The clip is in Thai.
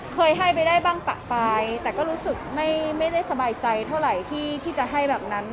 เคยให้ไปได้บ้างปะปลายแต่ก็รู้สึกไม่ได้สบายใจเท่าไหร่ที่จะให้แบบนั้น